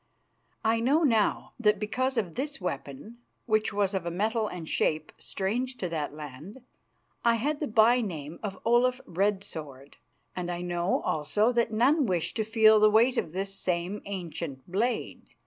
I know now that because of this weapon, which was of a metal and shape strange to that land, I had the byname of Olaf Red Sword, and I know also that none wished to feel the weight of this same ancient blade.